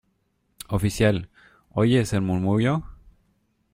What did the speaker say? oficial, ¿ oye ese murmullo?